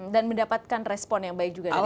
dan mendapatkan respon yang baik juga dari partai